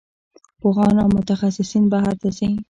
پوهان او متخصصین بهر ته ځي.